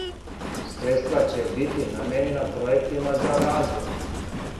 Средства ће бити намењена пројектима за развој.